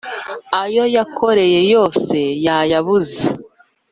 ayo yakoreye yose yayabuze